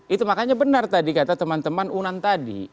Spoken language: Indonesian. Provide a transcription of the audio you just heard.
itu makanya benar tadi kata teman teman unan tadi